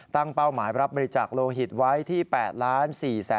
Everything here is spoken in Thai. ตั้งเป้าหมายรับบริจาคโลหิตไว้ที่๘๔๔๔๐๐๐บาท